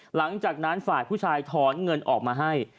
หลังจากนั้นฝ่ายผู้ชายถอนเงินออกมาให้